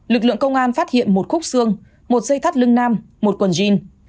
lực lượng công an phát hiện một khúc xương một dây thắt lưng nam một quần jean